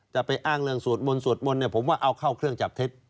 ไปอ้างเรื่องสวดมนต์สวดมนต์เนี่ยผมว่าเอาเข้าเครื่องจับเท็จ